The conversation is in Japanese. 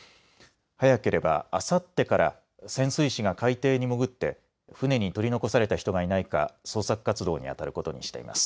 早ければあさってから潜水士が海底に潜って船に取り残された人がいないか捜索活動にあたることにしています。